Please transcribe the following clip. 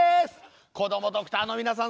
こどもドクターの皆さん